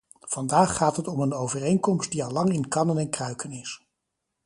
Vandaag gaat het om een overeenkomst die allang in kannen en kruiken is.